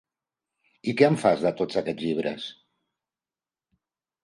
I què en fas de tots aquests llibres?